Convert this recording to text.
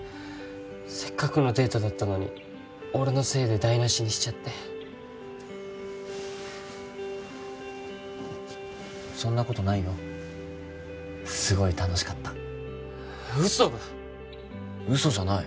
せっかくのデートだったのに俺のせいで台なしにしちゃってそんなことないよすごい楽しかったウソだウソじゃない